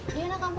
dia anak aku